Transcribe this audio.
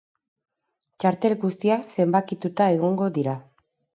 Txartel guztiak zenbakituta egongo dira.